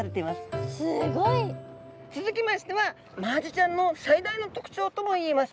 すごい！続きましてはマアジちゃんの最大の特徴ともいえます